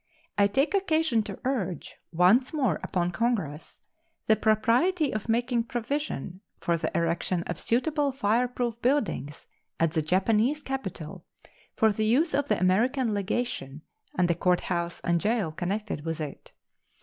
I take occasion to urge once more upon Congress the propriety of making provision for the erection of suitable fireproof buildings at the Japanese capital for the use of the American legation and the court house and jail connected with it.